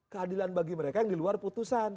keadilan bagi mereka yang di luar putusan